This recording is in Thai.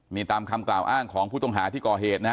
นี่ตามคำกล่าวอ้างของผู้ต้องหาที่ก่อเหตุนะฮะ